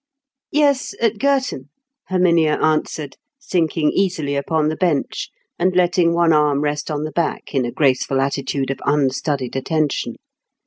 "Yes, at Girton," Herminia answered, sinking easily upon the bench, and letting one arm rest on the back in a graceful attitude of unstudied attention.